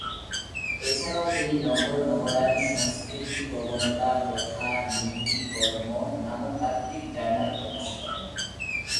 এছাড়াও তিনি "নগর:নগরায়ণ সংস্কৃতি, প্রবণতা, প্রথা, নীতি, কর্ম" নামক তাত্ত্বিক জার্নাল প্রকাশ করেন।